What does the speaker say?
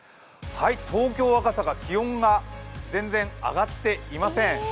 東京・赤坂、気温が全然上がっていません。